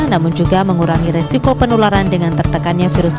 namun juga mengurangi resiko penularan dengan tertekannya virus